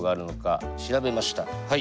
はい。